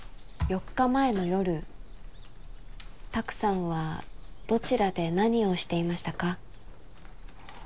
４日前の夜拓さんはどちらで何をしていましたか？